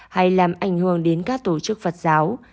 hay làm ảnh hưởng đến các tổ chức phật giáo